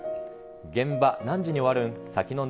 現場、何時に終わるん？